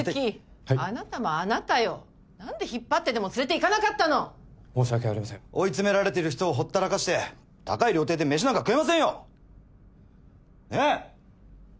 何で引っ張ってでも連れて行かなかったの申し訳ありません追い詰められてる人をほったらかして高い料亭で飯なんか食えませんよ！ねぇ？